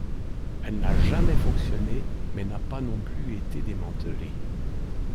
Elle n'a jamais fonctionné, mais n'a pas non plus été démantelée.